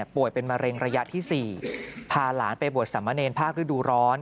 ป่วยเป็นมะเร็งระยะที่๔พาหลานไปบวชสามเณรภาคฤดูร้อน